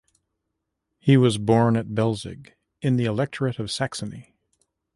He was born at Belzig, in the Electorate of Saxony.